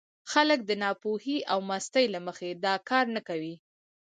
خلک د ناپوهۍ او مستۍ له مخې دا کار نه کوي.